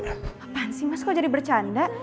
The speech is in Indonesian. ngapain sih mas kok jadi bercanda